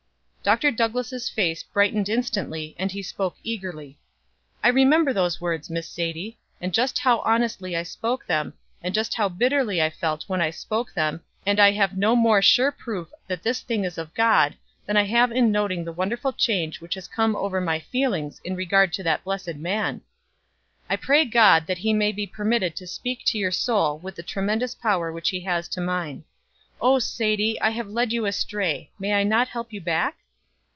Dr. Douglass' face brightened instantly, and he spoke eagerly: "I remember those words, Miss Sadie, and just how honestly I spoke them, and just how bitterly I felt when I spoke them, and I have no more sure proof that this thing is of God than I have in noting the wonderful change which has come over my feelings in regard to that blessed man. I pray God that he may be permitted to speak to your soul with the tremendous power that he has to mine. Oh, Sadie, I have led you astray, may I not help you back?"